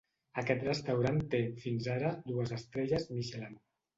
Aquest restaurant té, fins ara, dues estrelles Michelin.